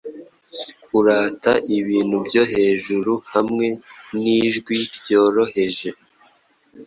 Kurata ibintu byo hejuru hamwe nijwi ryoroheje,